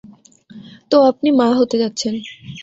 তো আপনি মা হতে যাচ্ছেন।